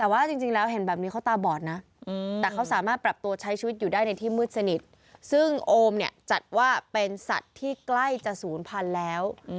ว่าเป็นสัตว์ที่ใกล้จะศูนย์พันธุ์แล้ว